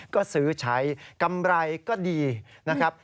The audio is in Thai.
ก็ซื้อใช้กำไรก็ดีนะครับ